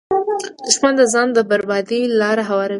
دښمن د ځان د بربادۍ لاره هواروي